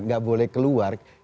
nggak boleh keluar